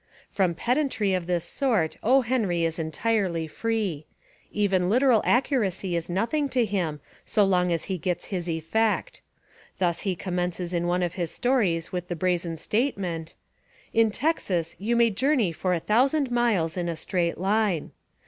From pedantry of this sort O. Henry is entirely free. Even literal accuracy is nothing 243 Essays and Literary Studies to him so long as he gets his effect. Thus he commences one of his stories with the brazen statement: "In Texas you may journey for a thousand miles in a straight line."